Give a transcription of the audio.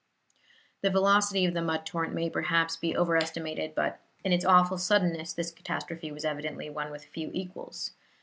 The velocity of the mud torrent may perhaps be overestimated, but in its awful suddenness this catastrophe was evidently one with few equals.